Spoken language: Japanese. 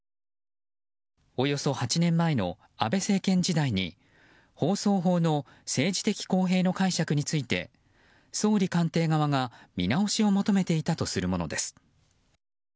およそ８年前の安倍政権時代に放送法の政治的公平の解釈について総理官邸側が見直しを求めていたとするものです。